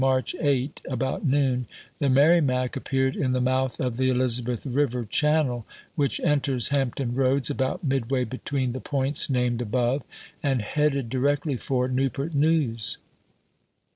March 8, about noon, the Merrimac appeared in the mouth of the Elizabeth River channel, which enters Hampton Eoads about midway between the points named above, and headed directly for Newport News.